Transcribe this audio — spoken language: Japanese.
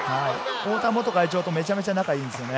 太田元会長と、めちゃめちゃ仲いいんですよね。